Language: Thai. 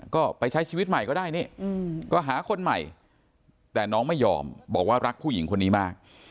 ก็ไปใช้ชีวิตใหม่ก็ได้นี่ก็หาคนใหม่แต่น้องไม่ยอมบอกว่ารักผู้หญิงคนนี้มาก